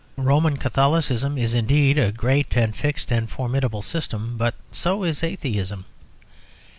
Roman Catholicism is indeed a great and fixed and formidable system, but so is atheism.